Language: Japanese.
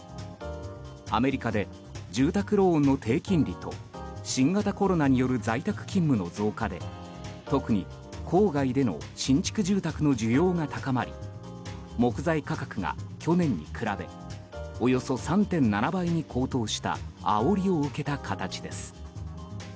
アメリカで住宅ローンの低金利と新型コロナによる在宅勤務の増加で特に郊外での新築住宅の需要が高まり木材価格が去年に比べおよそ３．７倍に高騰したあおりを受けた形です。